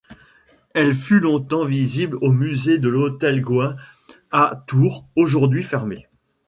Elle fut longtemps visible au musée de l'hôtel Goüin à Tours aujourd'hui fermé.